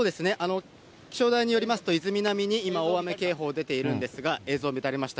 気象台によりますと、伊豆南に今、大雨警報出ているんですが、映像乱れました。